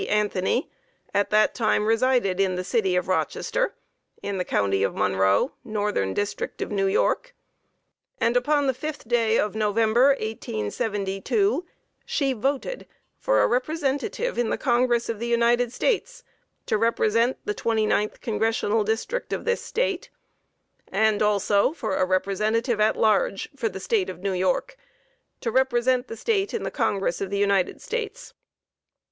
Anthony, at that time resided in the city of Rochester, in the county of Monroe, Northern District of New York, and upon the 5th day of November, 1872, she voted for a representative in the Congress of the United States, to represent the 29th Congressional District of this State, and also for a representative at large for the State of New York, to represent the State in the Congress of the United States.